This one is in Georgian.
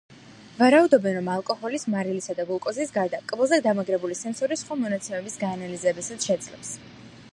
ვარაუდობენ, რომ ალკოჰოლის, მარილისა და გლუკოზის გარდა, კბილზე დამაგრებული სენსორი სხვა მონაცემების გაანალიზებასაც შეძლებს.